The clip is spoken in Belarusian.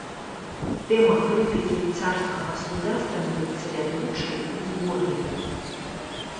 Тэма крытыкі царскага суда становіцца вядучай у зборніку.